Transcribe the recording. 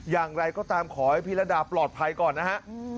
อย่างไรก็ตามขอให้พี่ระดาปลอดภัยก่อนนะฮะ